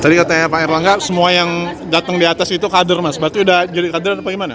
tadi katanya pak erlangga semua yang datang di atas itu kader mas berarti udah jadi kader atau gimana